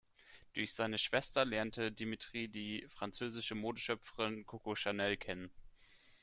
Durch seine Schwester lernte Dmitri die französische Modeschöpferin Coco Chanel kennen.